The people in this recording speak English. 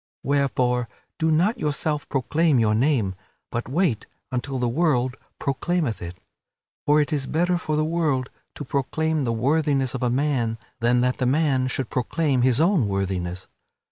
Wherefore, do not yourself proclaim your name, but wait until the world proclaimeth it; for it is better for the world to proclaim the worthiness of a man than that the man should proclaim his own worthiness.